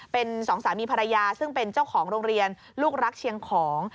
เป็นสองสามีภรรยาซึ่งเป็นเจ้าของโรงเรียนลูกรักเชียงของ